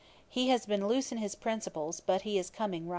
He has been loose in his principles, but he is coming right.'